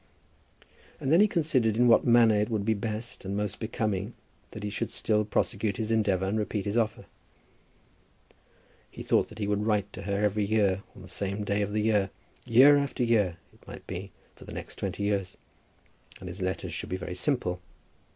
And then he considered in what manner it would be best and most becoming that he should still prosecute his endeavour and repeat his offer. He thought that he would write to her every year, on the same day of the year, year after year, it might be for the next twenty years. And his letters should be very simple.